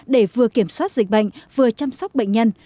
để vừa kiểm soát dịch bệnh vừa chăm sóc bệnh nhân